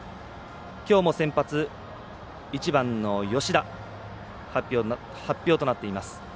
きょうも先発、１番の吉田と発表となっています。